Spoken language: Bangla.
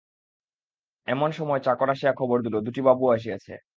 এমন সময় চাকর আসিয়া খবর দিল, দুটি বাবু আসিয়াছে।